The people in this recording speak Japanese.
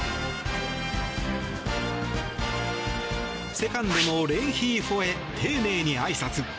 セカンドのレンヒーフォへ丁寧にあいさつ。